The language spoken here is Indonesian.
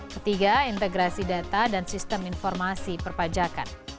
ketiga integrasi data dan sistem informasi perpajakan